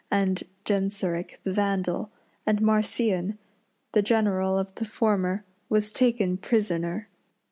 and Genseric the Vandal, and Marcian, the general of the former, was taken prisoner.